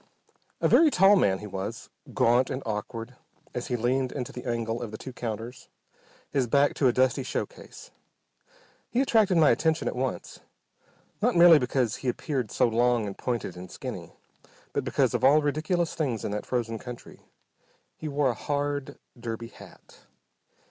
A very tall man he was, gaunt and awkward as he leaned into the angle of the two counters, his back to a dusty show case. He attracted my attention at once. Not merely because he appeared so long and pointed and skinny, but because, of all ridiculous things in that frozen country, he wore a hard derby hat!